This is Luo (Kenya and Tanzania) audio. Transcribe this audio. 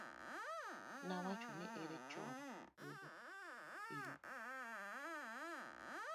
nawachoni are chon, apuodho in